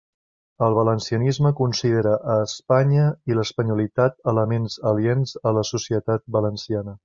El valencianisme considera Espanya i l'espanyolitat elements aliens a la societat valenciana.